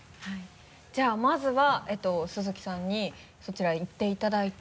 じゃあまずは鈴木さんにそちら行っていただいて。